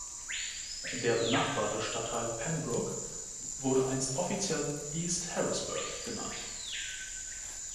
Der benachbarte Stadtteil Penbrook wurde einst offiziell „East Harrisburg“ genannt.